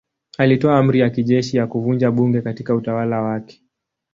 Alitoa amri ya kijeshi ya kuvunja bunge katika utawala wake.